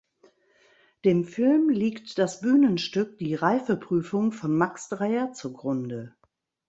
Dem Film liegt das Bühnenstück "Die Reifeprüfung" von Max Dreyer zugrunde.